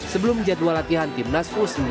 sebelum jadwal latihan tim garuda nusantara